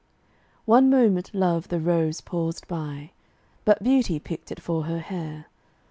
One moment Love the rose paused by; But Beauty picked it for her hair.